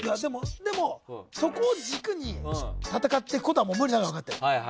でも、そこを軸に戦っていくことがもう無理なのは分かってる